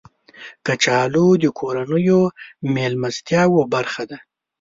کچالو د کورنیو میلمستیاو برخه ده